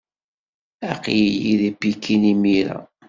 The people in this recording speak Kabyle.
Aql-iyi deg Pikin imir-a.